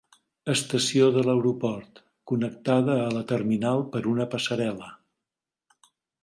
Estació de l'aeroport, connectada a la terminal per una passarel·la.